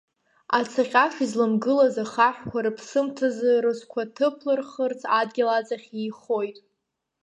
Ацаҟьаш изаламгылаз ахаҳәқәа рыԥсымҭазы, рызқәаҭыԥылырхырц адгьыл аҵахь еихоит.